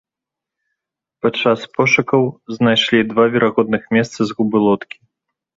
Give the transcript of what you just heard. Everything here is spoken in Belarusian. Падчас пошукаў знайшлі два верагодных месцы згубы лодкі.